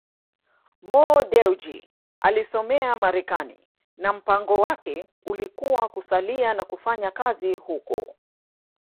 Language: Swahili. Mo Dewji alisomea Marekani na mpango wake ulikuwa kusalia na kufanya kazi huko